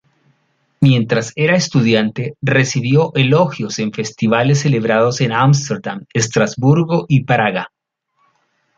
Mientras era estudiante, recibió elogios en festivales celebrados en Amsterdam, Estrasburgo y Praga.